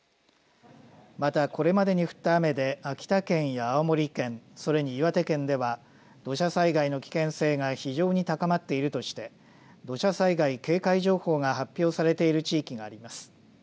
また、これまでに降った雨で秋田県や青森県それに岩手県では土砂災害の危険性が非常に高まっているとして土砂災害警戒情報が発表されている地域があります。